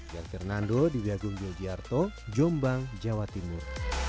gert fernando di biagung gildiarto jombang jawa timur